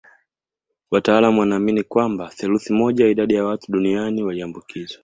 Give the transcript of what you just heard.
Wataalamu wanaamini kwamba theluthi moja ya idadi ya watu duniani waliambukizwa